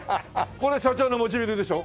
これ社長の持ちビルでしょ？